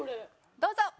どうぞ。